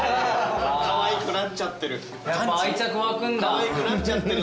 かわいくなっちゃってる。